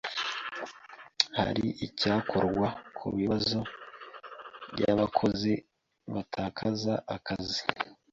Hari icyakorwa ku bibazo by’abakozi batakaza akazi?